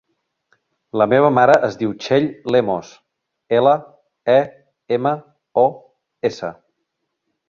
La meva mare es diu Txell Lemos: ela, e, ema, o, essa.